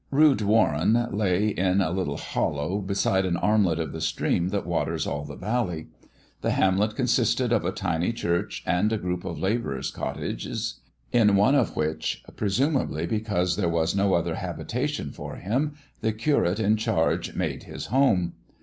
Rood Warren lay in a little hollow beside an armlet of the stream that waters all the valley. The hamlet consisted of a tiny church and a group of labourers' cottages, in one of which, presumably because there was no other habitation for him, the curate in charge made his home.